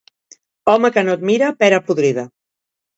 Home que no et mira, pera podrida.